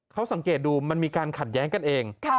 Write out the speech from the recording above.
เขาสังเกตดูมันมีการขัดแย้งกันเอง